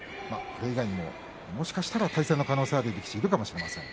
これ以外にも、もしかしたら対戦の可能性がある力士もいるかもしれません。